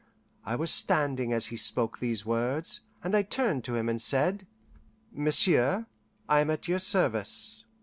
I was standing as he spoke these words, and I turned to him and said, "Monsieur, I am at your service."